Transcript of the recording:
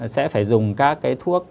sẽ phải dùng các cái thuốc